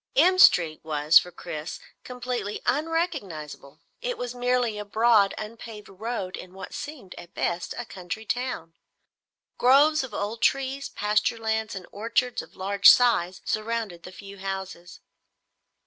M Street was, for Chris, completely unrecognizable. It was merely a broad unpaved road in what seemed, at best, a country town. Groves of old trees, pasture lands and orchards of large size surrounded the few houses.